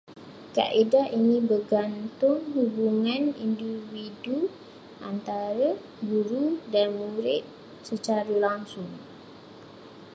Kaedah ini bergantung hubungan individu antara guru dan murid secara langsung